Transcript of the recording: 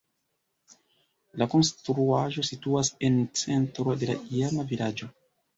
La konstruaĵo situas en centro de la iama vilaĝo.